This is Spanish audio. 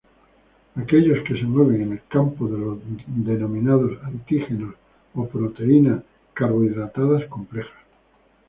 Aquellos que se mueven en el campo de los denominados antígenos, o proteínas-carbohidratadas complejas.